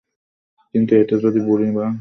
কিন্তু এটা যদি বুড়ি বা ক্যালেব হয়?